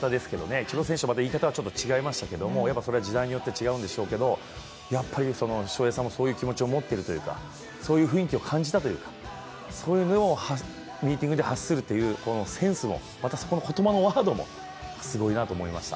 イチロー選手と言い方は違いましたけどそれは時代によって違うんでしょうけど、翔平さんもそういう気持ちを持っているというか、そういう雰囲気を感じたというかそういうのをミーティングで発するというセンスもまたそこの言葉のワードもすごいなと思いました。